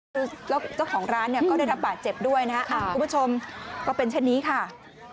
คือแล้วเจ้าของร้านเนี่ยก็ได้รับบาดเจ็บด้วยนะครับคุณผู้ชมก็เป็นเช่นนี้ค่ะ